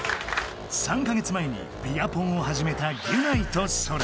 ３か月前にビアポンをはじめたギュナイとソラ。